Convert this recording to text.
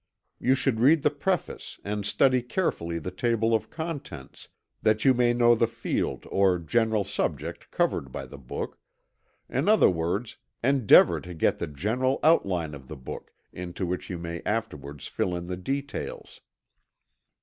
You should read the preface and study carefully the table of contents, that you may know the field or general subject covered by the book in other words endeavor to get the general outline of the book, into which you may afterwards fill in the details.